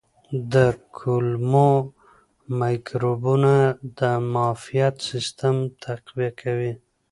د کولمو مایکروبونه د معافیت سیستم تقویه کوي.